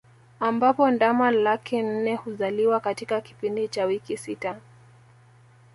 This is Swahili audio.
Ambapo ndama laki nne huzaliwa katika kipindi cha wiki sita